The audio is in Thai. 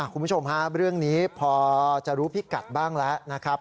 คุณผู้ชมฮะเรื่องนี้พอจะรู้พิกัดบ้างแล้วนะครับ